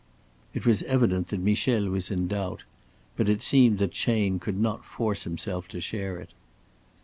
It was evident that Michel was in doubt, but it seemed that Chayne could not force himself to share it.